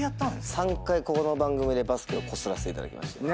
３回ここの番組でバスケをこすらせていただきまして。